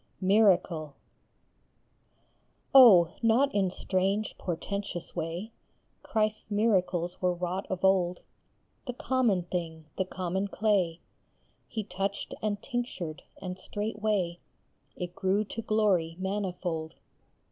MIRACLE. 29 MIRACLE. not in strange portentous way Christ s miracles were wrought of old, The common thing, the common clay, He touched and tinctured, and straightway It grew to glory manifold.